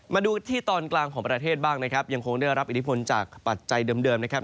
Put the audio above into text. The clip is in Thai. มาดูที่ตอนกลางของประเทศบ้างนะครับยังคงได้รับอิทธิพลจากปัจจัยเดิมนะครับ